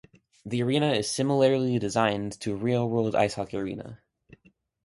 The arena is similarly designed to a real-world ice hockey arena.